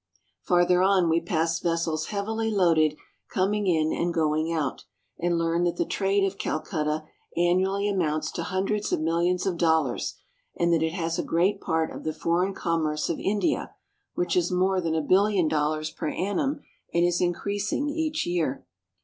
Farther on we pass vessels heavily loaded coming in and going out, and learn that the trade of Calcutta an nually amounts to hundreds of millions of dollars and that it has a great part of the foreign commerce of India, which is more than a billion dollars per annum and is increasing each year.